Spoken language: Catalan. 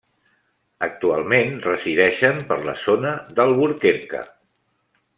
Actualment resideixen per la zona d'Albuquerque.